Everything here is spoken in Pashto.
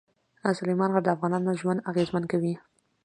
سلیمان غر د افغانانو ژوند اغېزمن کوي.